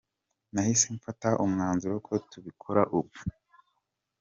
Nahise mfata umwanzuro ko tubikora ubu.